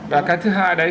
và cái thứ hai đấy